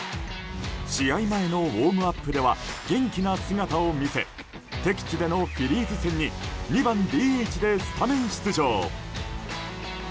試合前のウォームアップでは元気な姿を見せ敵地でのフィリーズ戦に２番ＤＨでスタメン出場。